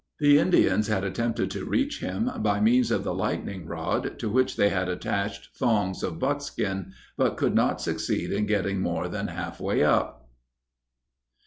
The Indians had attempted to reach him by means of the lightning rod, to which they had attached thongs of buckskin, but could not succeed in getting more than half way up.